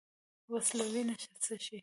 وسله وینه څښي